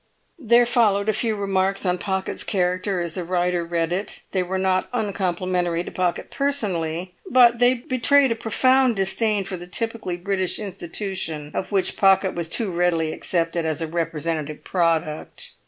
There followed a few remarks on Pocket's character as the writer read it. They were not uncomplimentary to Pocket personally, but they betrayed a profound disdain for the typically British institution of which Pocket was too readily accepted as a representative product.